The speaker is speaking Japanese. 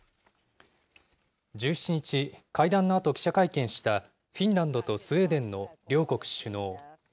１７日、会談のあと記者会見したフィンランドとスウェーデンの両国首脳。